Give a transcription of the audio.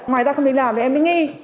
ngoài ra không đến làm thì em mới nghi